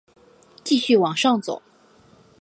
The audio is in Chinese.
继续往上走